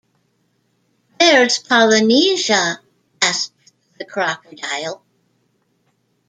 “Where’s Polynesia?” asked the crocodile.